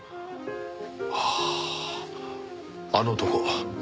あああの男